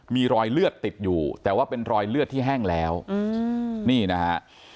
มีรอยเลือดติดอยู่แต่ว่าเป็นรอยเลือดที่แห้งแล้วนี่นะฮะ